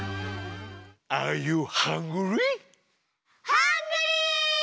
ハングリー！